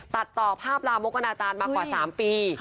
ตัดต่อภาพรามกรรมกราชาญมากว่า๓ปี